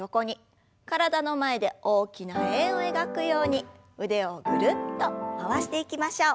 体の前で大きな円を描くように腕をぐるっと回していきましょう。